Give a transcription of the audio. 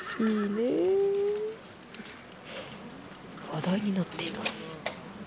話題になっています。